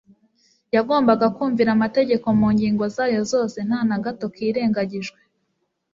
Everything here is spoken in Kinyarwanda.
yagombaga kumvira amategeko mu ngingo zayo zose nta na gato kirengagijwe.